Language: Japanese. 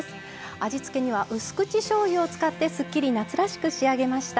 味付けにはうす口しょうゆを使ってすっきり夏らしく仕上げました。